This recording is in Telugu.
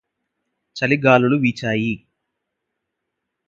చలిగాలులు వీచాయి